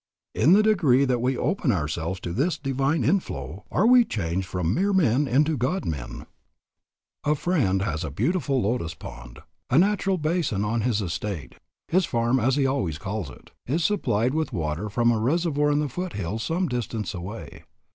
In the degree that we open ourselves to this divine inflow are we changed from mere men into God men. A friend has a beautiful lotus pond. A natural basin on his estate his farm as he always calls it is supplied with water from a reservoir in the foothills some distance away.